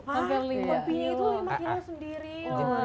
mampinya itu lima kilo sendiri